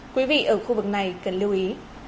quý vị ở khu vực này cần lưu ý